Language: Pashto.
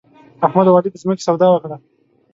احمد او علي د ځمکې سودا وکړه.